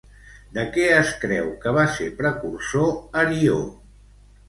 De què es creu que va ser precursor, Arió?